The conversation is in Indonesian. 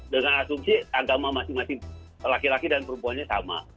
dengan asumsi agama masing masing laki laki dan perempuannya sama